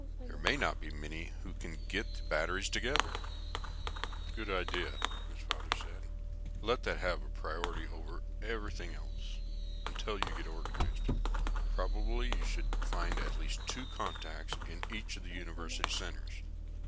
There may not be many who can get the batteries together." "Good enough!" his father said. "Let that have priority over everything else until you get it organized. Probably you should find at least two contacts in each of the university centers.